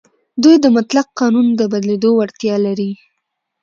دوی د مطلق قانون د بدلېدو وړتیا لري.